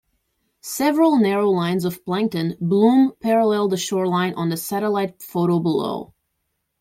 Several narrow lines of plankton bloom parallel the shoreline on the satellite photo below.